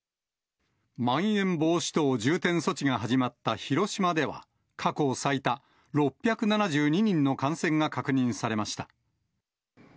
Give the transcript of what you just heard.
まん延防止等重点措置が始まった広島では、過去最多、６７２人の感染が確認されました。